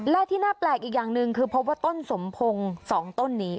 และที่น่าแปลกอีกอย่างหนึ่งคือพบว่าต้นสมพงศ์๒ต้นนี้